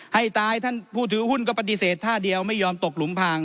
ให้ตายท่านผู้ถือหุ้นก็ปฏิเสธท่าเดียวไม่ยอมตกหลุมพาง